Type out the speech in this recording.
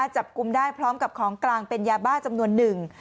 จับกลุ่มได้พร้อมกับของกลางเป็นยาบ้าจำนวนหนึ่ง